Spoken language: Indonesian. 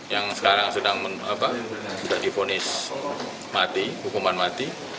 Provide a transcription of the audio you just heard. yang sekarang sudah diponis mati hukuman mati